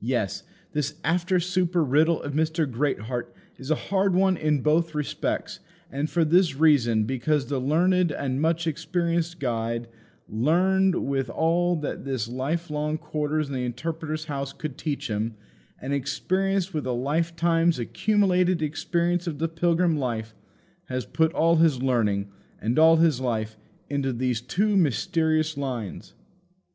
Yes; this after supper riddle of Mr. Greatheart is a hard one in both respects; and for this reason, because the learned and much experienced guide learned with all that his life long quarters in the Interpreter's House could teach him, and experienced with a lifetime's accumulated experience of the pilgrim life has put all his learning and all his life into these two mysterious lines.